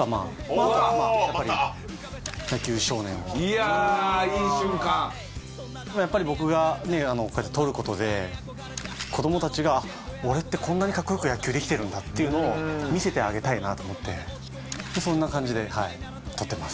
おーまた野球少年をいやーいい瞬間でもやっぱり僕がこうやって撮ることで子どもたちが「俺ってこんなにかっこよく野球できてるんだ」っていうのを見せてあげたいなと思ってそんな感じで撮ってます